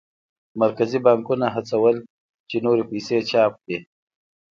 مرکزي بانکونه هڅول چې نورې پیسې چاپ کړي.